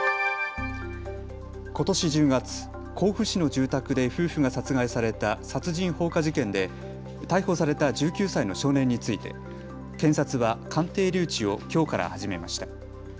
ことし１０月、甲府市の住宅で夫婦が殺害された殺人放火事件で逮捕された１９歳の少年について検察は鑑定留置をきょうから始めました。